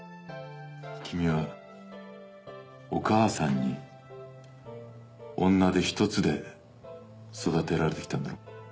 君はお母さんに女手一つで育てられてきたんだろ？